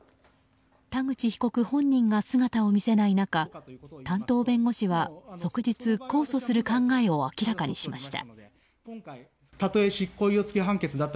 田口被告本人が姿を見せない中担当弁護士は即日控訴する考えを明らかにしました。